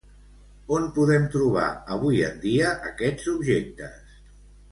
On podem trobar avui en dia aquests objectes?